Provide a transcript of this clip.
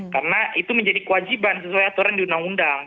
karena itu menjadi kewajiban sesuai aturan di undang undang